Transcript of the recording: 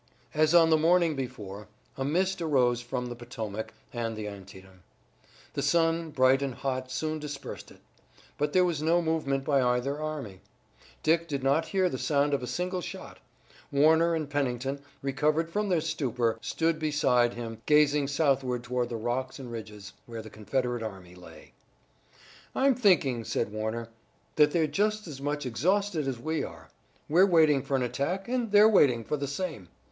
As on the morning before, a mist arose from the Potomac and the Antietam. The sun, bright and hot, soon dispersed it. But there was no movement by either army. Dick did not hear the sound of a single shot. Warner and Pennington, recovered from their stupor, stood beside him gazing southward toward the rocks and ridges, where the Confederate army lay. "I'm thinking," said Warner, "that they're just as much exhausted as we are. We're waiting for an attack, and they're waiting for the same.